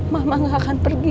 mama gak akan pergi